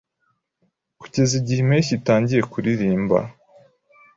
Kugeza igihe impeshyi itangiye kuririmba